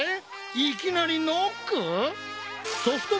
いきなりノック？